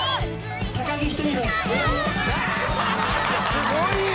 すごいよ